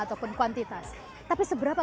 ataupun kuantitas tapi seberapa